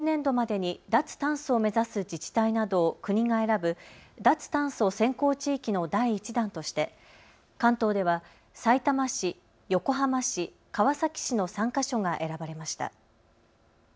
全国に先駆けて２０３０年度までに脱炭素を目指す自治体などを国が選ぶ脱炭素先行地域の第１弾として関東ではさいたま市、横浜市、川崎市の３か所が選ばれました。